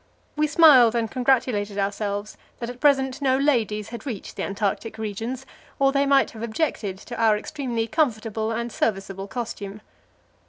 We smiled and congratulated ourselves that at present no ladies had reached the Antarctic regions, or they might have objected to our extremely comfortable and serviceable costume.